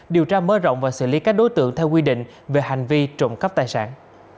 điều tra mới rộng và xử lý các đối tượng theo quy định về hành vi trộm cắp tài sản